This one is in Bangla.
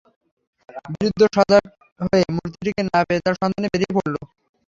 বৃদ্ধ সজাগ হয়ে মূর্তিটিকে না পেয়ে তার সন্ধানে বেরিয়ে পড়ল।